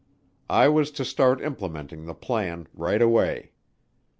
I was to start implementing the plan right away.